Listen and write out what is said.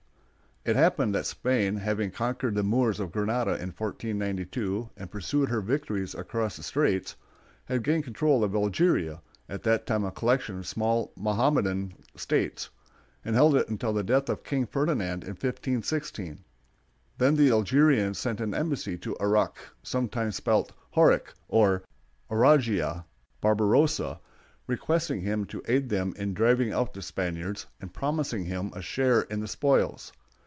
[Illustration: WALKING THE PLANK.] It happened that Spain, having conquered the Moors of Granada in 1492 and pursued her victories across the straits, had gained control of Algeria (at that time a collection of small Mohammedan states), and held it until the death of King Ferdinand in 1516. Then the Algerians sent an embassy to Aruck (sometimes spelled Horuk, or Ouradjh) Barbarossa, requesting him to aid them in driving out the Spaniards, and promising him a share in the spoils.